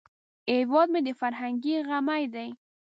هیواد مې د فرهنګ غمی دی